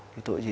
thì tội gì